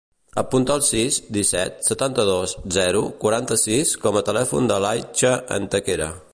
Apunta el sis, disset, setanta-dos, zero, quaranta-sis com a telèfon de l'Aicha Antequera.